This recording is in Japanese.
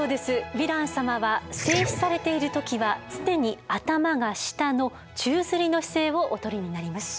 ヴィラン様は静止されている時は常に頭が下の宙づりの姿勢をおとりになります。